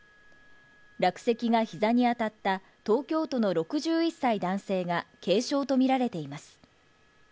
落石が膝に当たった東京都の６１歳男性が軽傷とみられています。